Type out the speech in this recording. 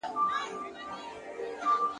هره ورځ د نوي فصل پاڼه ده.!